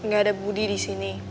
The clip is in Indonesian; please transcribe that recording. nggak ada budi di sini